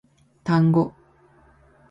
タンゴ